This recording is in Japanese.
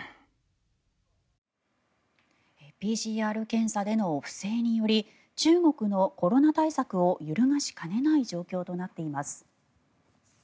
ＰＣＲ検査での不正により中国のコロナ対策を揺るがしかねない状況となっています。